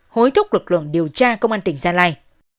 hối thúc lực lượng điều tra công an tỉnh gia lai